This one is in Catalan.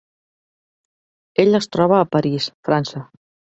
Ell es troba a París, França.